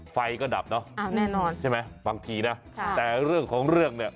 ไฟก็ดับเนอะอ้าวแน่นอนใช่ไหมบางทีนะค่ะแต่เรื่องของเรื่องเนี่ย